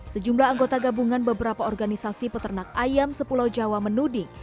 sejumlah anggota gabungan beberapa organisasi peternak ayam sepulau jawa menuding